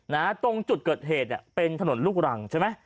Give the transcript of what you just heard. ตรงจุดเกิดเหตุเนี่ยเป็นถนนลูกรังใช่ไหม